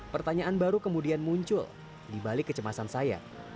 pertanyaan baru kemudian muncul di balik kecemasan saya